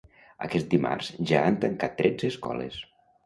Aquest dimarts ja han tancat tretze escoles.